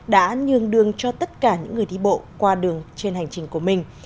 đã nhường đường cho tất cả những người đi bộ qua đường trên hành trình của mình